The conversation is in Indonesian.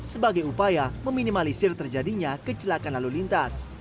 sebagai upaya meminimalisir terjadinya kecelakaan lalu lintas